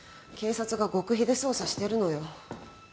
警察が極秘で捜査してるのよ。